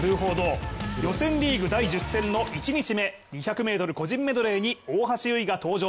予選リーグ第１０戦の１日目、２００ｍ個人メドレーに大橋悠依が登場。